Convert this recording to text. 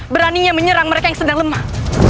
beraninya menyerang mereka yang sedang lemah